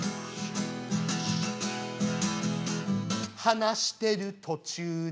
「話してる途中で」